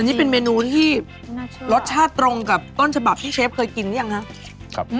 นี่เป็นเมนูที่รสชาติตรงกับต้นฉบับที่เชฟเคยกินหรือยังครับ